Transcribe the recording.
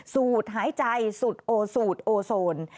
สูดหายใจสูดโอสูดโอโซน